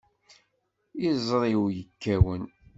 Iẓri-w yekkawen.